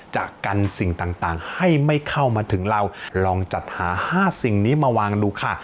จะกันสิ่งต่างให้ไม่เข้ามาถึงเราลองจัดหา๕สิ่งนี้มาวางดูค่ะ